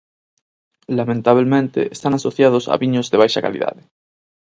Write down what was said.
Lamentabelmente están asociados a viños de baixa calidade.